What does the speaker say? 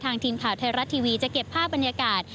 ทีมข่าวไทยรัฐทีวีจะเก็บภาพบรรยากาศ